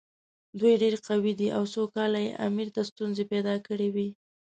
دوی ډېر قوي دي او څو کاله یې امیر ته ستونزې پیدا کړې وې.